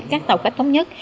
các tàu khách thống nhất